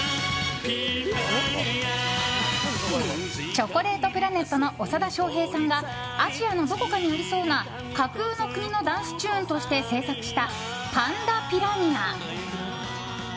チョコレートプラネットの長田庄平さんがアジアのどこかにありそうな架空の国のダンスチューンとして制作した「パンダピラニア」。